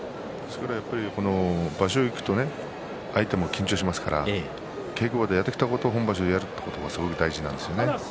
場所にいくとね相手も緊張しますから稽古場でやってきたことを本場所でやるのが大事なんですね。